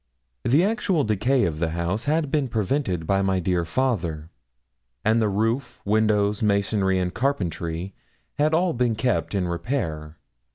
The actual decay of the house had been prevented by my dear father; and the roof, windows, masonry, and carpentry had all been kept in repair.